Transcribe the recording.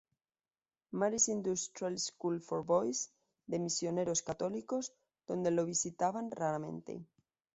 Mary's Industrial School for Boys" de misioneros católicos, donde lo visitaban raramente.